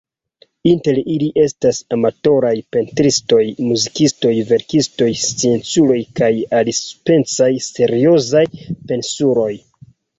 Inter ili estas amatoraj pentristoj, muzikistoj, verkistoj, scienculoj kaj alispecaj seriozaj pensuloj.